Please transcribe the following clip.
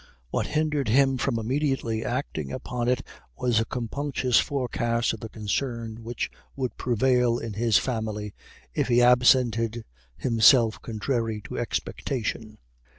What hindered him from immediately acting upon it was a compunctious forecast of the concern which would prevail in his family, if he absented himself contrary to expectation.